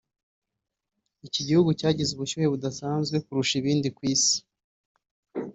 iki gihugu cyagize ubushyuhe budasanzwe kurusha ibindi ku Isi